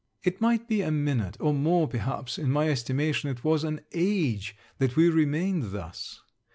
It might be a minute or more, perhaps, in my estimation it was an age, that we remained thus.